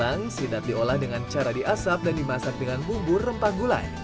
sebelum sidat hilang sidat diolah dengan cara diasap dan dimasak dengan bumbu rempah gulai